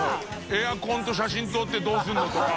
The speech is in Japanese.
「エアコンと写真撮ってどうするの？」とか。